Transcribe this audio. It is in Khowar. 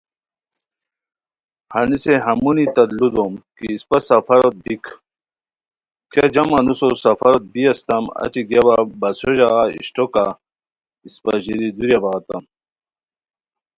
ہنیسے ہمونی تت لوُ دوم کی اِسپہ سفروت بیک! کیہ جم انوس سفروت بی استام اچی گیاوا بسو ژاغا اشٹوکہ اِسپہ ژیری دُوریہ بغاتم